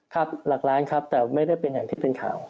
ครับหลักล้านครับแต่ไม่ได้เป็นอย่างที่เป็นข่าว